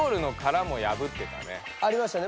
ありましたね。